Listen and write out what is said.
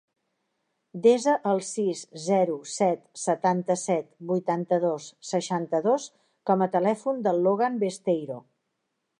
Desa el sis, zero, set, setanta-set, vuitanta-dos, seixanta-dos com a telèfon del Logan Besteiro.